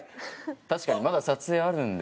確かにまだ撮影あるんで。